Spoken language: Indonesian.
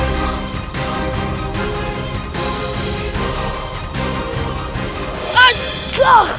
nyai yang menangis